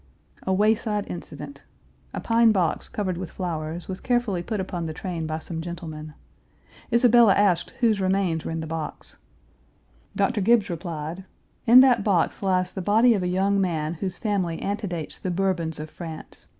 A Wayside incident. A pine box, covered with flowers, was carefully put upon the train by some gentlemen. Isabella asked whose remains were in the box. Dr. Gibbes replied: "In that box lies the body of a young man whose Page 322 family antedates the Bourbons of France.